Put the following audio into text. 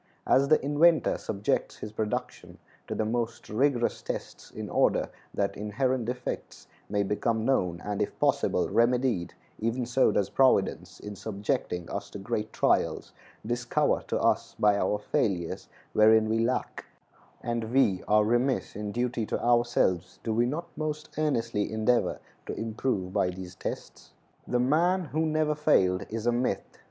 As the inventor subjects his production to the most rigorous tests in order that inherent defects may become known and, if possible, remedied, even so does Providence, in subjecting us to great trials, discover to us by our failures wherein we lack; and we are remiss in duty to ourselves do we not most earnestly endeavor to improve by these tests? The man who never failed is a myth.